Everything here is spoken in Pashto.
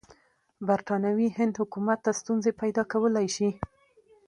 برټانوي هند حکومت ته ستونزې پیدا کولای شي.